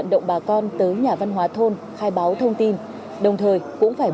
đồng bào thông tin đồng thời cũng phải